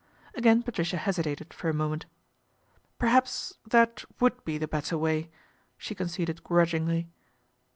Again Patricia hesitated for a moment. " Per haps that would be the better way," she con ceded grudgingly.